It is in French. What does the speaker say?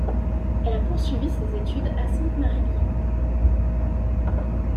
Elle a poursuivi ses études à Sainte-Marie Lyon.